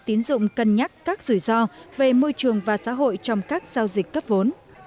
tín dụng cân nhắc các rủi ro về môi trường và xã hội trong các giao dịch cấp vốn